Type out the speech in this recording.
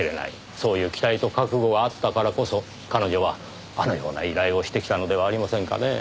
そういう期待と覚悟があったからこそ彼女はあのような依頼をしてきたのではありませんかねぇ。